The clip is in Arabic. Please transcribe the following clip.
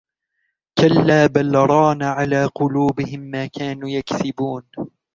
كلا بل ران على قلوبهم ما كانوا يكسبون